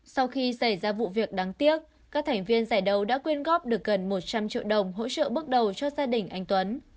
sau khi xảy ra vụ việc đáng tiếc các thành viên giải đấu đã quyên góp được gần một trăm linh triệu đồng hỗ trợ bước đầu cho gia đình anh tuấn